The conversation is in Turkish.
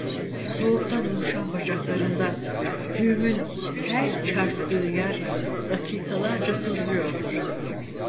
Soğuktan uyuşan bacaklarında, güğümün her çarptığı yer dakikalarca sızlıyordu.